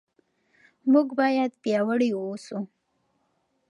موږ باید پیاوړي اوسو.